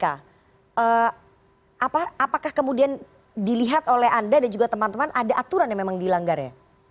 apakah kemudian dilihat oleh anda dan juga teman teman ada aturan yang memang dilanggar ya